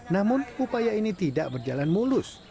namun upaya ini tidak berjalan mulus